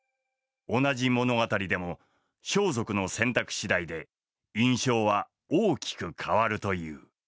同じ物語でも装束の選択次第で印象は大きく変わるという。